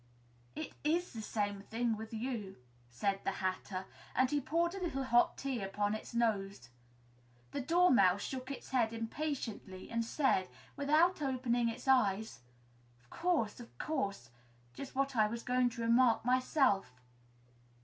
'" "It is the same thing with you," said the Hatter, and he poured a little hot tea upon its nose. The Dormouse shook its head impatiently and said, without opening its eyes, "Of course, of course; just what I was going to remark myself."